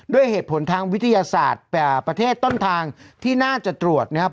ด้วยเหตุผลทางวิทยาศาสตร์ประเทศต้นทางที่น่าจะตรวจนะครับ